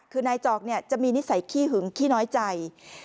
คือนายจอกจะมีนิสัยขี้หึงขี้น้อยใจ